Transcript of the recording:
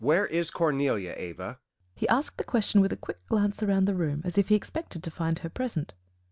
"Where is Cornelia, Ava?" He asked the question with a quick glance round the room, as if he expected to find her present.